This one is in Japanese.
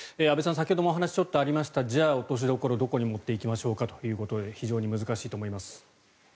安部さん先ほどお話にもありました落としどころはどこに持っていきましょうかということで非常に難しいと思います。